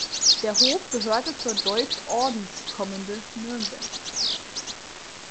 Der Hof gehörte zur Deutschordenskommende Nürnberg.